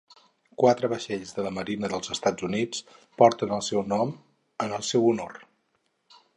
Quatre vaixells de la Marina dels Estats Units porten el seu nom en el seu honor.